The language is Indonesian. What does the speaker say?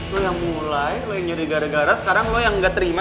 lo yang mulai lo yang jadi gara gara sekarang lo yang gak terima